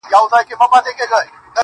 گلي نن بيا راته راياده سولې~